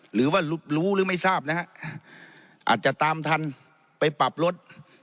หรือว่ารู้หรือไม่ทราบนะฮะอาจจะตามทันไปปรับรถ